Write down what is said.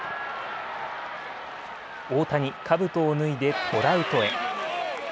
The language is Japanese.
大谷、かぶとを脱いでトラウトへ。